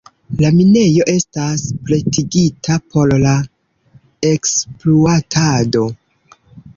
La minejo estas pretigita por la ekspluatado.